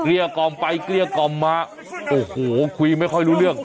เรียกกล่อมไปเกลี้ยกล่อมมาโอ้โหคุยไม่ค่อยรู้เรื่อง